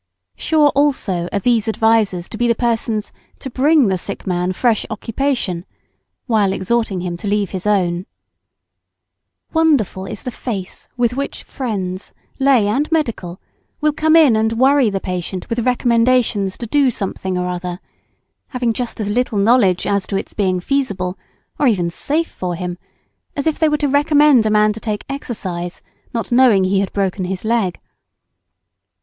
Sure also are these advisers to be the persons to bring the sick man fresh occupation, while exhorting him to leave his own. [Sidenote: Wonderful presumption of the advisers of the sick.] Wonderful is the face with which friends, lay and medical, will come in and worry the patient with recommendations to do something or other, having just as little knowledge as to its being feasible, or even safe for him, as if they were to recommend a man to take exercise, not knowing he had broken his leg.